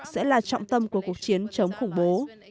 sẽ là trọng tâm của cuộc chiến chống khủng bố